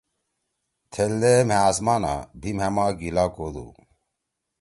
تھیلدے مھأ آسمانا، بھی مھأ ما گِلہ کودُو